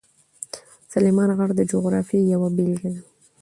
سلیمان غر د جغرافیې یوه بېلګه ده.